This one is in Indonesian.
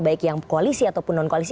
baik yang koalisi ataupun non koalisi